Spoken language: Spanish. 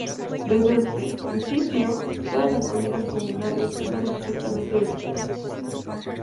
Desde el principio, todas las comidas comunales fueron estrictamente vegetarianas.